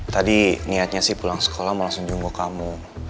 tadi niatnya sih pulang sekolah mau langsung jumbo kamu